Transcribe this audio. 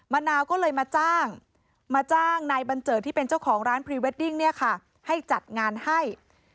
มะนาวก็เลยมาจ้างมาจ้างนายบัญเจิดที่เป็นเจ้าของร้านพรีเวดดิ้งเนี่ยค่ะให้จัดงานให้